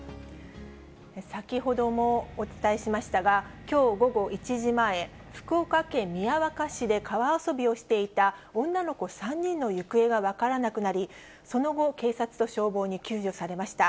先ほどもお伝えしましたが、きょう午後１時前、福岡県宮若市で川遊びをしていた女の子３人の行方が分からなくなり、その後、警察と消防に救助されました。